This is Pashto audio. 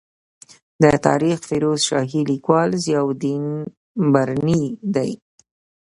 د تاریخ فیروز شاهي لیکوال ضیا الدین برني دی.